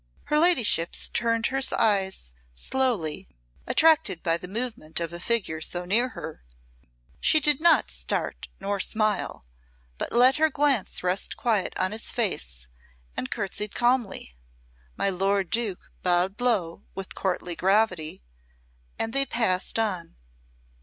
Her ladyship turned her eyes slowly, attracted by the movement of a figure so near her; she did not start nor smile, but let her glance rest quiet on his face and curtsied calmly; my lord Duke bowed low with courtly gravity, and they passed on.